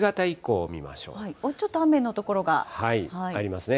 ちょっと雨の所が。ありますね。